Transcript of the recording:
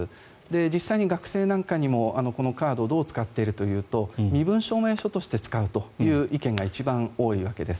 実際に学生なんかにもこのカードをどう使っているというと身分証明書として使うという意見が一番多いわけです。